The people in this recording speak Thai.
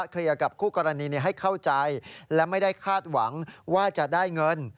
กับคู่กรณีให้เข้าใจและไม่ได้คาดหวังว่าจะได้เงิน